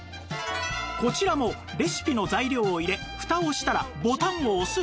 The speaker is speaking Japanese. こちらもレシピの材料を入れフタをしたらボタンを押すだけ